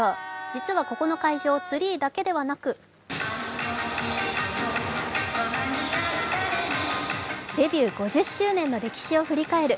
実はここの会場ツリーだけではなくデビュー５０周年の歴史を振り返る